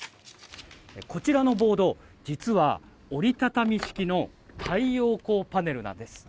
こちらのボード実は折り畳み式の太陽光パネルなんです。